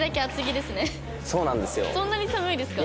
そうなんですよ。